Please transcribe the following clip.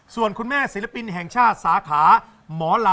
ส่วนคุณแม่ศิลปินแห่งชาติสาขาหมอลำ